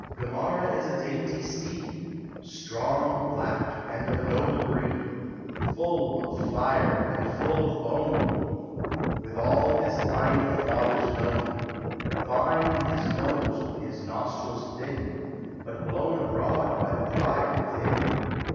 Gamarra is a dainty steed, Strong, black, and of B noble breed, Full of fire, and full of bone. With all his line of fathers known; Fine his nose, his nostrils thin, But blown abroad by the pride within!